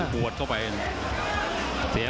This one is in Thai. แล้วทีมงานน่าสื่อ